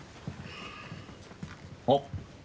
あっ！